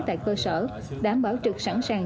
tại cơ sở đảm bảo trực sẵn sàng